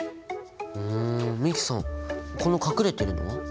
ふん美樹さんこの隠れてるのは？